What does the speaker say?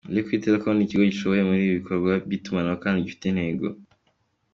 Liquid Telecom ni ikigo gishoboye muri ibi bikorwa by’itumanaho, kandi gifite intego.